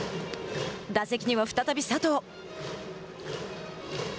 打席には、再び佐藤。